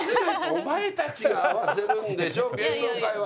お前たちが合わせるんでしょ芸能界は。